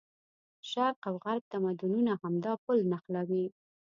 د شرق او غرب تمدونونه همدا پل نښلوي.